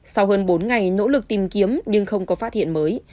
sau hơn bốn ngày nỗ lực tìm kiếm nhưng không có phát hiện mới